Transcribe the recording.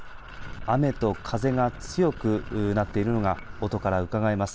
雨と風が強くなっているのが音から伺えます。